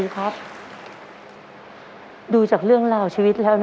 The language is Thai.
ขอบคุณค่ะ